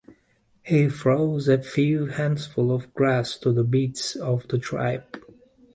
He throws a few handfuls of grass to the beasts of the tribe.